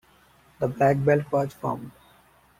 The Black Belt was formed.